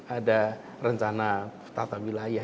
ada rencana tata wilayah